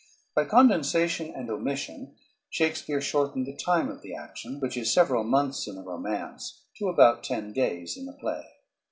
By condensation and omission Shakespeare shortened the time of the action, which is several months in the romance, to about ten days in the play.